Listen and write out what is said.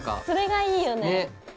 それがいいよね。